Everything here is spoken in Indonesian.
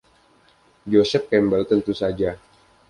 Joseph Campbell: Tentu saja.